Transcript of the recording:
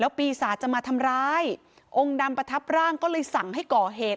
ปีศาจจะมาทำร้ายองค์ดำประทับร่างก็เลยสั่งให้ก่อเหตุ